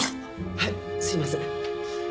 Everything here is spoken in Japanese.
はいすいません